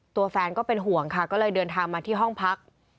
ตัวแฟนก็เป็นห่วงค่ะก็เลยเดินทางมาที่ห้องพัก